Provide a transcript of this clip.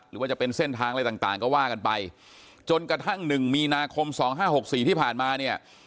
หรือว่าจะเป็นเส้นทางอะไรต่างก็ว่ากันไปจนกระทั่ง๑มีนาคม๒๕๖๔ที่ผ่านมาเนี่ย